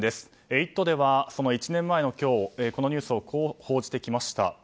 「イット！」ではその１年前の今日このニュースをこう報じてきました。